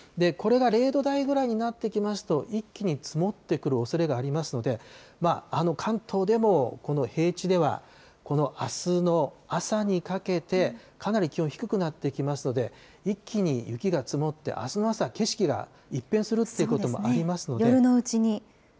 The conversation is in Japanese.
これが０度台ぐらいになってきますと、一気に積もってくるおそれがありますので、関東でもこの平地では、このあすの朝にかけて、かなり気温低くなってきますので、一気に雪が積もってあすの朝、景色が一変するってこともありますので。